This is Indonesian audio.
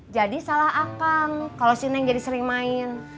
jadi salah akang kalau si neng jadi sering main